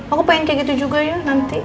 aku pengen kayak gitu juga ya nanti